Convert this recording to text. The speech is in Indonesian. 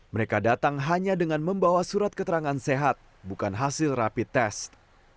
mereka datang hanya dengan membawa surat keterangan sehat bukan hasil rapid test